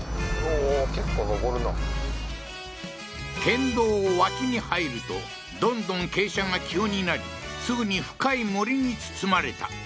県道を脇に入るとどんどん傾斜が急になりすぐに深い森に包まれた